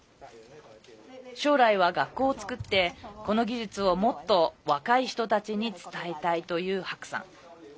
将来は学校を作ってこの技術を、もっと若い人たちに伝えたいという白さん。